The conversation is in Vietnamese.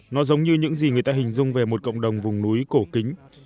nó giống như những gì người ta hình dung về một cộng đồng vùng núi cổ kính